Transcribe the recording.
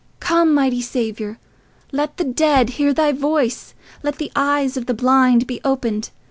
Come, mighty Saviour! Let the dead hear thy voice. Let the eyes of the blind be opened.